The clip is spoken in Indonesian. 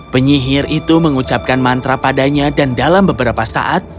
penyihir itu mengucapkan mantra padanya dan dalam beberapa saat